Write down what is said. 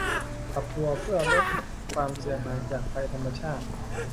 ปรับตัวเพื่อลดความเสียหายจากภัยธรรมชาติ